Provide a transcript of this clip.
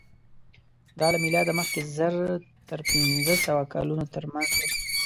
دا له مېلاده مخکې زر تر پینځهسوه کلونو تر منځ وو.